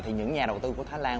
thì những nhà đầu tư của thái lan